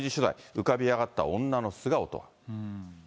浮かび上がった女の素顔とは。